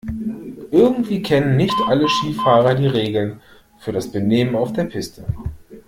Irgendwie kennen nicht alle Skifahrer die Regeln für das Benehmen auf der Piste.